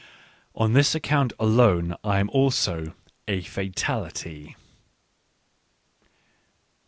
... On this account alone I am also a fatality.